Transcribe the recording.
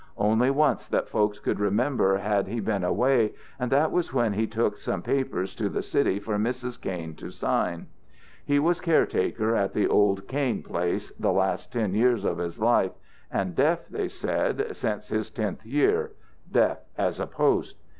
Only once that folks could remember had he been away, and that was when he took some papers to the city for Mrs. Kain to sign. He was caretaker at the old 'Kain place' the last ten years of his life, and deaf, they said, since his tenth year 'deaf as a post.'